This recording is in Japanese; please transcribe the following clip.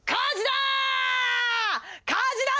火事だー！